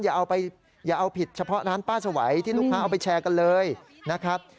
อย่าเอาผิดเฉพาะร้านป้าสวัยที่ลูกค้าเอาไปแชร์กันเลยนะครับ